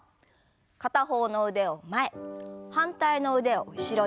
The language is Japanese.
片方の腕を前反対の腕を後ろに。